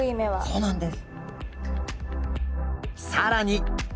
そうなんです。